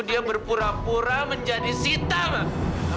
dia berpura pura menjadi sita pak